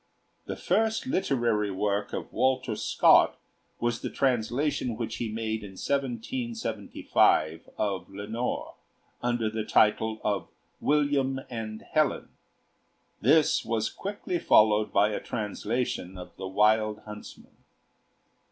The first literary work of Walter Scott was the translation which he made in 1775 of 'Lenore,' under the title of 'William and Helen'; this was quickly followed by a translation of 'The Wild Huntsman.'